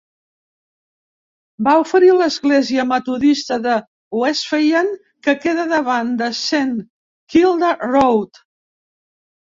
Va oferir l"Església Metodista de Wesleyan que queda davant de Saint Kilda Road.